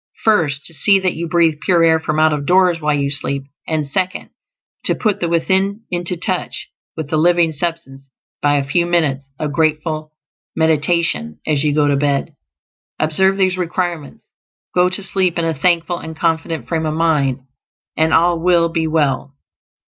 First, to see that you breathe pure air from out of doors while you sleep; and, second, to put the Within into touch with the Living Substance by a few minutes of grateful meditation as you go to bed. Observe these requirements, go to sleep in a thankful and confident frame of mind, and all will be well.